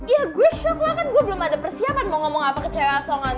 ya gue shock lah kan gue belum ada persiapan mau ngomong apa ke cewek asongan